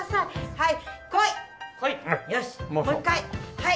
はい。